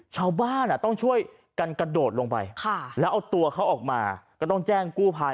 ชาวบ้านต้องช่วยกันกระโดดลงไปแล้วเอาตัวเขาออกมาก็ต้องแจ้งกู้ภัย